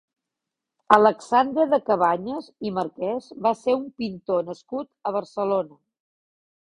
Alexandre de Cabanyes i Marquès va ser un pintor nascut a Barcelona.